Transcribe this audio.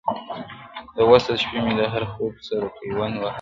د وصل شپې مي د هر خوب سره پیوند وهلي-